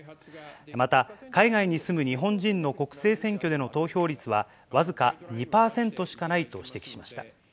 また、海外に住む日本人の国政選挙での投票率は、僅か２％しかないと指摘しました。